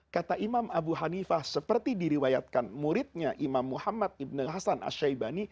kata imam abu hanifah seperti diriwayatkan muridnya imam muhammad ibn hasan as syaibani